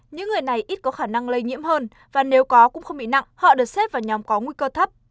những người này ít có khả năng lây nhiễm hơn và nếu có cũng không bị nặng họ được xếp vào nhóm có nguy cơ thấp